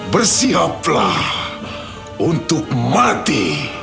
bersiaplah untuk mati